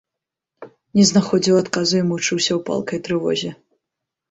Не знаходзіў адказу і мучыўся ў палкай трывозе.